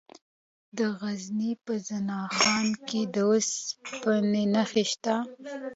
د غزني په زنه خان کې د اوسپنې نښې شته.